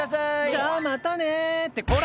じゃあまたねってコラ！